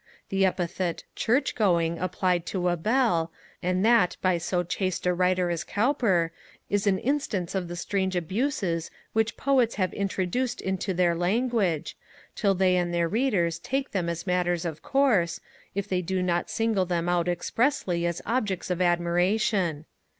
The epithet 'church going' applied to a bell, and that by so chaste a writer as Cowper, is an instance of the strange abuses which Poets have introduced into their language, till they and their Readers take them as matters of course, if they do not single them out expressly as objects of admiration.